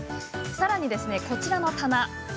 さらに、こちらの棚。